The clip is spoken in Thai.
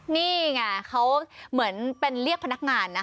นี่ไงเขาเหมือนเป็นเรียกพนักงานนะ